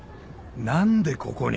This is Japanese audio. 何でここに？